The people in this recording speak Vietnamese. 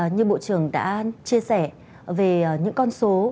như bộ trưởng đã chia sẻ về những con số